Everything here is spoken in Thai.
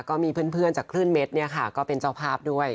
ก็มีเพื่อนจากคลื่นเม็ดเนี่ยค่ะก็เป็นเจ้าภาพด้วย